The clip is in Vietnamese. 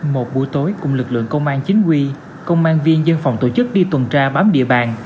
một buổi tối cùng lực lượng công an chính quy công an viên dân phòng tổ chức đi tuần tra bám địa bàn